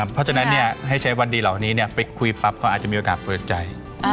เพราะฉะนั้นให้ใช้วันดีเหล่านี้ไปคุยปั๊บเขาอาจจะมีโอกาสเปิดใจ